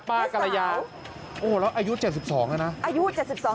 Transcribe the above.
ป้ากรรยาพี่สาวโอ้โหแล้วอายุเจ็ดสิบสองนะอายุเจ็ดสิบสอง